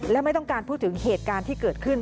และไม่ต้องการพูดถึงเหตุการณ์ที่เกิดขึ้น